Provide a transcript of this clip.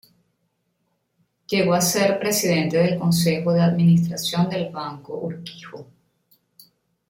Llegó a ser presidente del consejo de administración del Banco Urquijo.